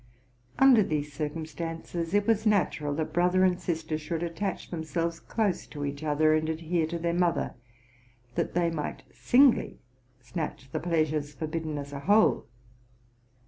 Under these circumstances it was natural that brother and sister should attach themselves close to each other, and ad here to their mother, that they might singly snatch the pleas ures forbidden as a whole.